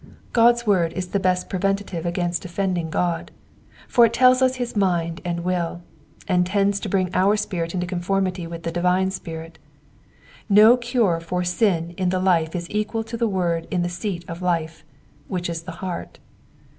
God's word is the best preventive against offending God, for it tells us his mind and will, and tends to bring our spirit into conformity with the divine Spirit. No cure for sin in the life is equal to the word in the seat of life, which is the heart.